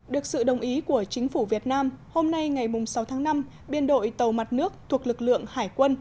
được sự đồng ý của chính phủ việt nam hôm nay ngày sáu tháng năm biên đội tàu mặt nước thuộc lực lượng hải quân